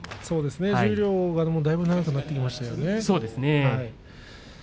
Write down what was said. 十両がだいぶ長くなってきましたね。